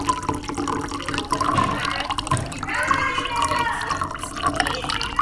ხანძარმა გაანადგურა ბიბლიოთეკის მთელი წიგნადი ფონდი.